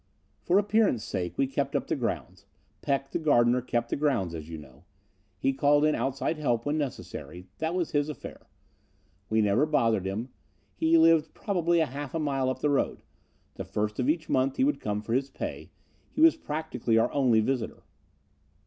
For appearance sake we kept up the grounds. Peck, the gardener, kept the grounds, as you know. He called in outside help when necessary. This was his affair. We never bothered him. He lived probably a half mile up the road. The first of each month he would come for his pay. He was practically our only visitor.